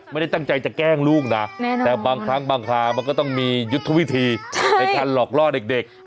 ไม่ได้ตั้งใจจะแกล้งลูกนะแต่บางครั้งบางครามันก็ต้องมียุทธวิธีในการหลอกล่อเด็ก